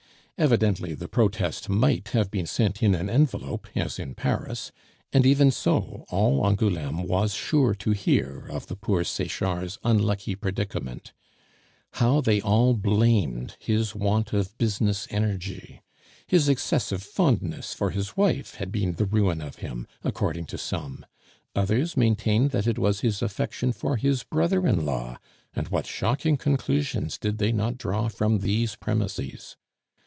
Evidently the protest might have been sent in an envelope, as in Paris, and even so all Angouleme was sure to hear of the poor Sechards' unlucky predicament. How they all blamed his want of business energy! His excessive fondness for his wife had been the ruin of him, according to some; others maintained that it was his affection for his brother in law; and what shocking conclusions did they not draw from these premises!